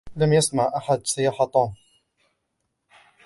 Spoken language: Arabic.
لم يسمع أحد صياح توم.